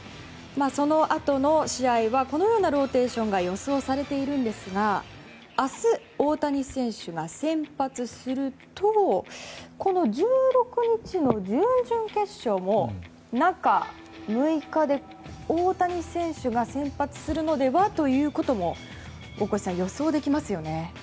そのあとの試合はこのようなローテーションが予想されているんですが明日、大谷選手は先発すると１６日の準々決勝も中６日で大谷選手が先発するのではということも大越さん予想できますよね。